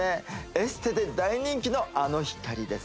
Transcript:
エステで大人気のあの光です